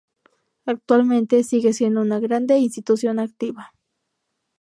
Actualmente sigue siendo una grande institución activa.